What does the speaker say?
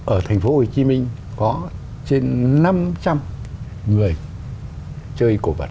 ở thành phố hồ chí minh có trên năm trăm linh người chơi cổ vật